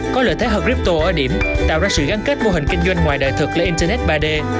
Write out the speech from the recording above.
có lợi thế hợp crypto ở điểm tạo ra sự gắn kết mô hình kinh doanh ngoài đời thực lên internet ba d